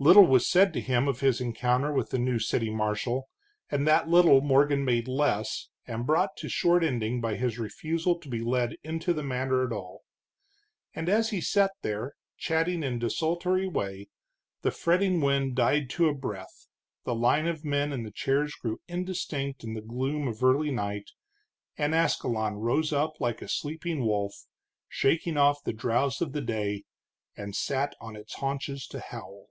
Little was said to him of his encounter with the new city marshal, and that little Morgan made less, and brought to short ending by his refusal to be led into the matter at all. And as he sat there, chatting in desultory way, the fretting wind died to a breath, the line of men in the chairs grew indistinct in the gloom of early night, and Ascalon rose up like a sleeping wolf, shaking off the drowse of the day, and sat on its haunches to howl.